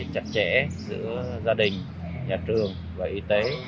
chặt chẽ giữa gia đình nhà trường và y tế